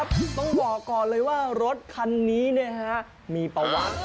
คุณผู้ชมครับต้องบอกก่อนเลยว่ารถคันนี้มีประวัติ